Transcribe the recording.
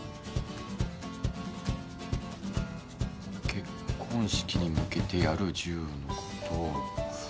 「結婚式に向けてやる１０のこと」